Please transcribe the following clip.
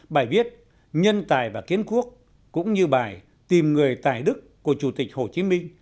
bài viết nhân tài và kiến quốc cũng như bài tìm người tài đức của chủ tịch hồ chí minh